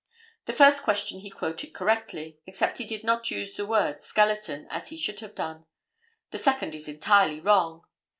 The first question he quoted correctly, except he did not use the word "skeleton" as he should have done. The second is entirely wrong.